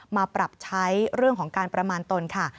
มาปรับใช้เรื่องของการประมาณตนค่ะ